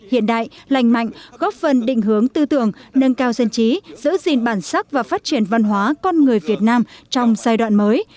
hiện đại lành mạnh góp phần định hướng tư tưởng nâng cao dân chí giữ gìn bản sắc và phát triển văn hóa con người việt nam trong giai đoạn mới